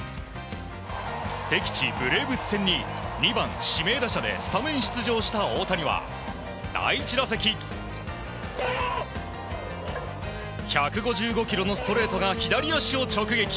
敵地ブレーブス戦に２番指名打者でスタメン出場した大谷は第１打席１５５キロのストレートが左足を直撃。